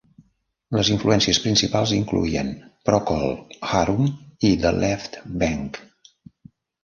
Les influències principals incloïen Procol Harum i The Left Banke.